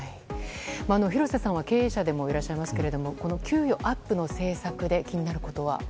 廣瀬さんは経営者でもいらっしゃいますがこの給与アップの政策で気になることは？